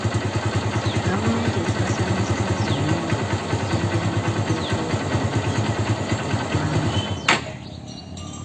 Gavumenti esaasaanya ssente nnyinji ku kuzimba enguudo okwetooloola eggwanga.